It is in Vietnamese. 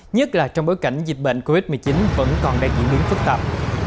nhất là trong bối cảnh dịch bệnh covid một mươi chín vẫn còn đang diễn biến phức tạp